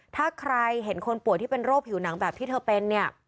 ถ้าใครเห็นคนป่วยที่เป็นโรคผิวหนังแบบที่เธอเป็นเนี่ย